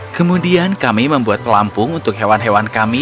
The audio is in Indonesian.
kemudian kami membuat pelampung untuk hewan hewan kami